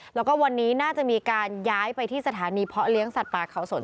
แล้วก็วันนี้น่าจะมีการย้ายไปที่สถานีเพาะเลี้ยงสัตว์ป่าเขาสน